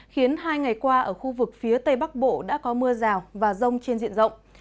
khiến hai ngày qua ở khu vực phía tây bắc bộ đã có mưa rào và rông trên diện rộng